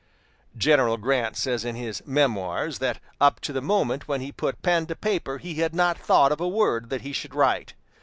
General Grant says in his "Memoirs" that up to the moment when he put pen to paper he had not thought of a word that he should write.